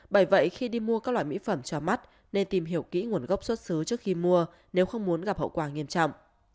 bởi vậy khi đi mua các loại mỹ phẩm cho mắt nên tìm hiểu kỹ nguồn gốc xuất xứ trước khi mua nếu không muốn gặp hậu quả nghiêm trọng